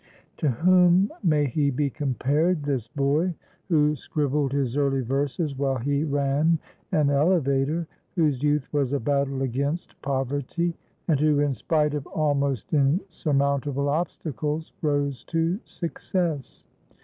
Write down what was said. To whom may he be compared, this boy who scribbled his early verses while he ran an elevator, whose youth was a battle against poverty, and who, in spite of almost insurmountable obstacles, rose to success?